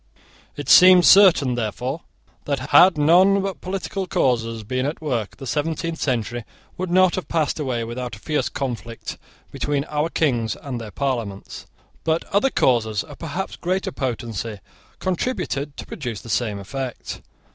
It seems certain, therefore, that, had none but political causes been at work, the seventeenth century would not have passed away without a fierce conflict between our Kings and their Parliaments. But other causes of perhaps greater potency contributed to produce the same effect.